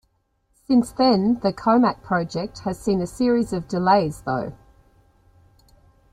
Since then, the Comac project has seen a series of delays, though.